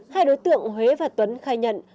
hai đối tượng huế và tuấn khai nhận